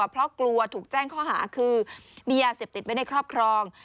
เพราะกลัวถูกแจ้งข้อหาคือมียาเสพติดไว้ในครอบครอง